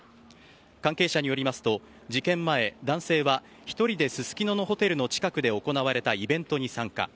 関係者によりますと事件前男性は１人ですすきののホテルの近くで行われたイベントに参加。